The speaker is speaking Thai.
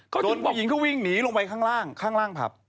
จนผู้หญิงเขาวิ่งหนีลงไปข้างล่างข้างล่างผับ